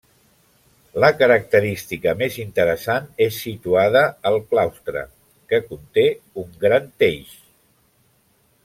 La característica més interessant és situada al claustre, que conté un gran teix.